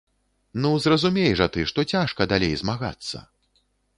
Ну, зразумей жа ты, што цяжка далей змагацца!